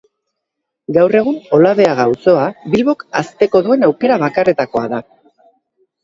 Gaur egun, Olabeaga auzoa, Bilbok hazteko duen aukera bakarretakoa da.